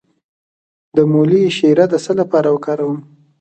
د مولی شیره د څه لپاره وکاروم؟